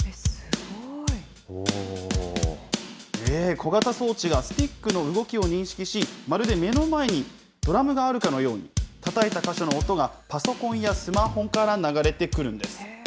小型装置がスティックの動きを認識し、まるで目の前にドラムがあるかのように、たたいた箇所の音がパソコンやスマホから流れてくるんです。